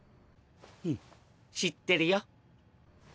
うん知ってるよ。